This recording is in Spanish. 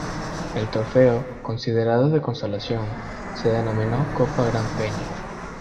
El trofeo, considerado de consolación, se denominó Copa Gran Peña.